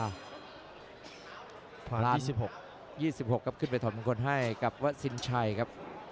๒๖๒๖ครับขึ้นไปถอดมงคลให้กับวัดสินชัยครับ